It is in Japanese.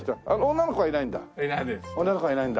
女の子はいないんだ。